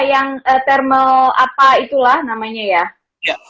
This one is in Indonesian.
yang thermal apa itulah namanya ya